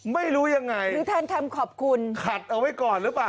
ไม่รู้ยังไงหรือแทนคำขอบคุณขัดเอาไว้ก่อนหรือเปล่า